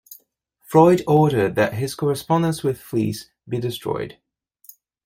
Freud ordered that his correspondence with Fliess be destroyed.